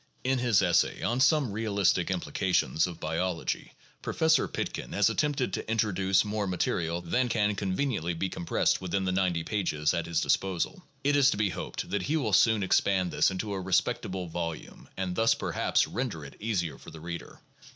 In his essay on "Some Eealistic Implications of Biology," Pro fessor Pitkin has attempted to introduce more material than can con veniently be compressed within the 90 pages at his disposal. It is to be hoped that he will soon expand this into a respectable volume and thus, perhaps, render it easier for the reader.